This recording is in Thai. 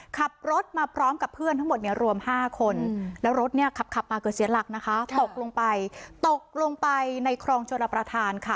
ขับรถมาพร้อมกับเพื่อนทั้งหมดรวม๕คนแล้วรถขับมาเกิดเสียทหลักตกลงไปในครองจรประทาน